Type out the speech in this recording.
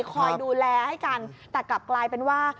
คอยดูแลให้กันแต่กลับกลายเป็นว่า